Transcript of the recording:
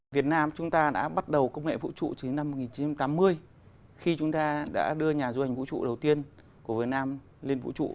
việt nam chúng ta đã bắt đầu công nghệ vũ trụ từ năm một nghìn chín trăm tám mươi khi chúng ta đã đưa nhà du hành vũ trụ đầu tiên của việt nam lên vũ trụ